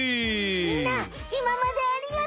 みんないままでありがと！